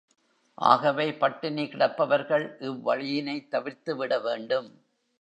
ஆகவே, பட்டினி கிடப்பவர்கள் இவ்வழியினைத் தவிர்த்து விட வேண்டும்.